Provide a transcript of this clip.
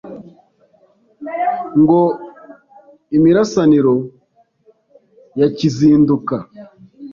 Ngo imirasaniro ya Kizinduka